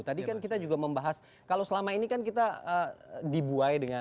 tadi kan kita juga membahas kalau selama ini kan kita dibuai dengan